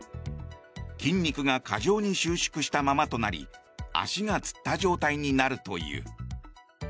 筋肉が過剰に収縮したままとなり足がつった状態になるという。